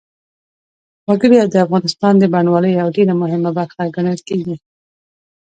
وګړي د افغانستان د بڼوالۍ یوه ډېره مهمه برخه ګڼل کېږي.